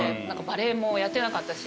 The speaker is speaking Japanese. バレエもやってなかったし。